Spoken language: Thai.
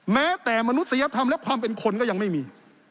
แม้แต่มนุษยธรรมและความเป็นคนก็ยังไม่มี